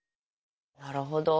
なるほど。